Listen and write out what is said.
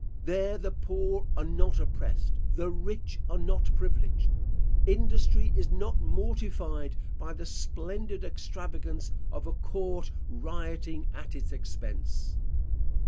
There the poor are not oppressed, the rich are not privileged. Industry is not mortified by the splendid extravagance of a court rioting at its expense.